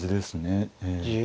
ええ。